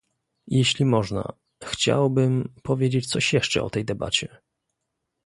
Jeśli można, chciałbym powiedzieć coś jeszcze o tej debacie